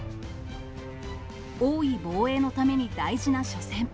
王位防衛のために大事な初戦。